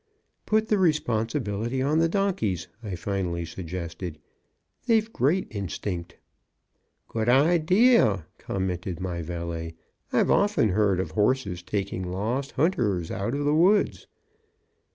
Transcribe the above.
"Put the responsibility on the donkeys," I finally suggested. "They've great instinct." "Good idea," commented my valet; "I've often heard of horses taking lost hunters out of the woods."